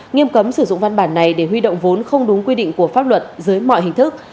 nghiêm cấm sử dụng văn bản này để huy động vốn không đúng quy định của pháp luật dưới mọi hình thức